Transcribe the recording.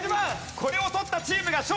これを取ったチームが勝利。